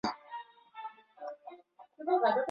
Dhana hizi zinaweza kuathiri sana watawala wa baadaye na raia.